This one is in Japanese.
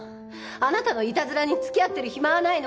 あなたのイタズラにつきあってる暇はないの。